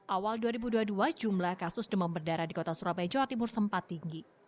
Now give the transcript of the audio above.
awal dua ribu dua puluh dua jumlah kasus demam berdarah di kota surabaya jawa timur sempat tinggi